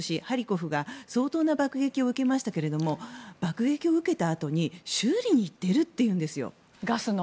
ハリコフが相当な爆撃を受けましたけれども爆撃を受けたあとに修理に行っているというんです。